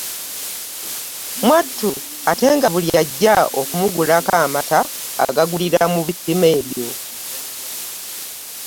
Mwattu ate nga buli ajja okumugulako amata agulira mu bipimo ebyo.